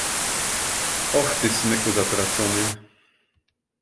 "Och ty, smyku zatracony!"